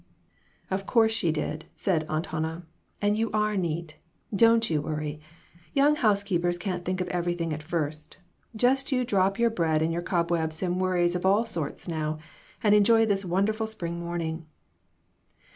" Of course she did," said Aunt Hannah. "And you are neat. Don't you worry. Young housekeepers can't think of everything at first. Just you drop your bread and your cobwebs and worries of all sorts now, and enjoy this wonderful spring morning."